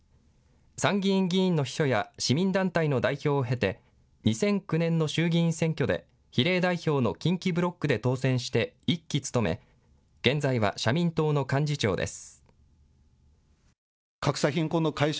参議院議員の秘書や市民団体の代表を経て２００９年の衆議院選挙で比例代表の近畿ブロックで当選して１期務め、現在は社民党の幹事長です。